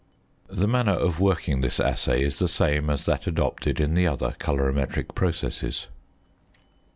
The manner of working this assay is the same as that adopted in the other colorimetric processes.